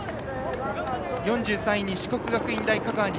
４３位に四国学院大香川西。